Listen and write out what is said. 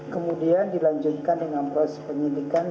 kemudian dilanjutkan dengan proses penyidikan